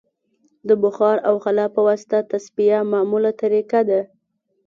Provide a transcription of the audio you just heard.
د بخار او خلا په واسطه تصفیه معموله طریقه ده